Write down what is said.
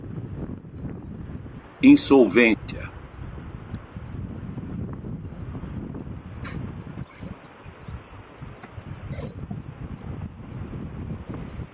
insolvência